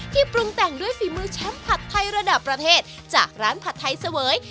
ปรุงแต่งด้วยฝีมือแชมป์ผัดไทยระดับประเทศจากร้านผัดไทยเสวย